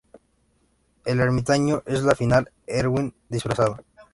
El ermitaño es al final Erwin disfrazado.